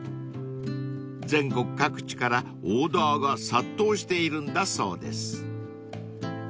［全国各地からオーダーが殺到しているんだそうです］